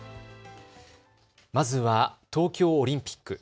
まずは東京オリンピック。